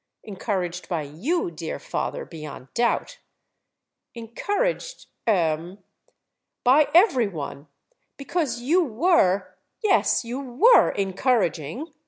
"Encouraged by you, dear father, beyond doubt!" "Encouraged—er—by every one: because you were (yes, you were!) encouraging.